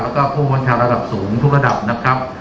แล้วก็ผู้บัญชาการระดับสูงทุกระดับนะครับ